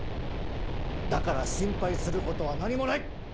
だから心配することは何もない！